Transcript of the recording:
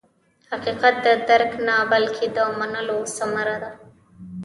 حقیقت د درک نه، بلکې د منلو ثمره ده.